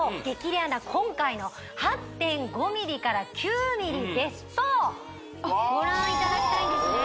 レアな今回の８．５ｍｍから９ｍｍですとご覧いただきたいんですね